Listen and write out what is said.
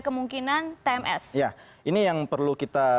kemungkinan tms ya ini yang perlu kita